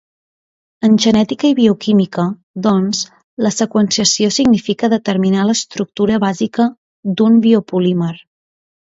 En genètica i bioquímica, doncs, la seqüenciació significa determinar l’estructura bàsica d’un biopolímer.